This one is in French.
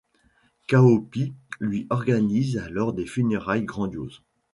Cao Pi lui organise alors des funérailles grandioses.